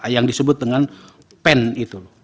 yang disebut dengan pen itu